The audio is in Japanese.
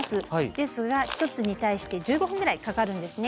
ですが１つに対して１５分ぐらいかかるんですね。